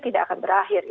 tidak akan berakhir